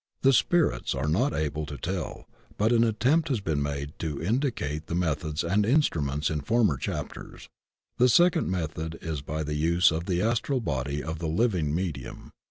The spirits are not able to tell, but an attempt has been made to indicate the methods and instruments in former chapters. The second method is by the use of the astral body of the living medium.